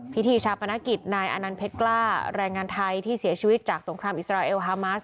พิธีชาปนกิจนายอนันต์เพชรกล้าแรงงานไทยที่เสียชีวิตจากสงครามอิสราเอลฮามาส